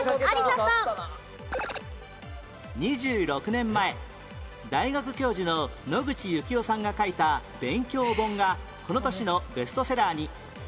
２６年前大学教授の野口悠紀雄さんが書いた勉強本がこの年のベストセラーに